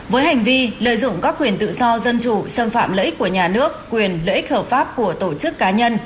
với hành vi lợi dụng các quyền tự do dân chủ xâm phạm lợi ích của nhà nước quyền lợi ích hợp pháp của tổ chức cá nhân